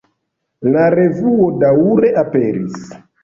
La revuo daŭre aperis.